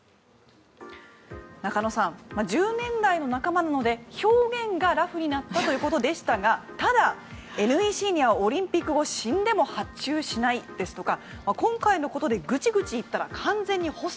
中野さん、１０年来の仲間なので表現がラフになったということでしたがただ、ＮＥＣにはオリンピック後死んでも発注しないですとか今回のことでグチグチ言ったら完全に干す。